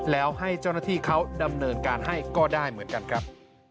แล้วให้เจ้าหน้าที่เขาดำเนินการให้ก็ได้เหมือนกันครับ